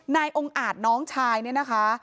นายองค์อาจน้องชายเนี่ยนะคะ